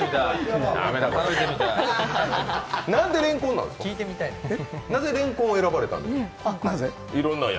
なんでれんこんを選ばれたんですか？